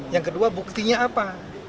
yang kedua buktinya apa